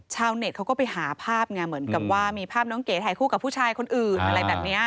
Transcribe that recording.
เน็ตเขาก็ไปหาภาพไงเหมือนกับว่ามีภาพน้องเก๋ถ่ายคู่กับผู้ชายคนอื่นอะไรแบบนี้